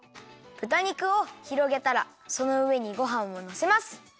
ぶた肉をひろげたらそのうえにごはんをのせます。